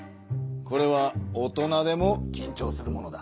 これは大人でもきんちょうするものだ。